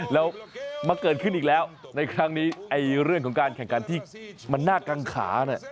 แล้วเมื่อเกิดขึ้นอีกแล้วในครั้งนี้เรื่องของการแข่งการที่มันน่ากลางขา